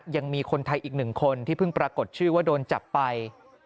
ยังมีคนไทยอีกหนึ่งคนที่เพิ่งปรากฏชื่อว่าโดนจับไป